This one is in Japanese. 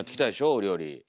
お料理。